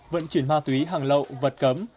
vận chuyển ma túy hàng lậu vật cấm